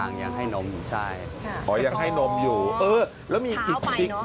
เค้าไม่มาอย่างให้นมอยู่สะก็ง